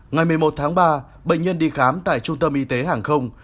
ngày một mươi một tháng ba bệnh nhân đi khám tại trung tâm y tế hàng không